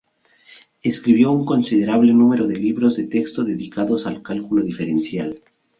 Escribió un considerable número de libros de texto dedicados al cálculo diferencial.